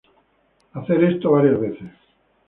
Hacer esto varias veces.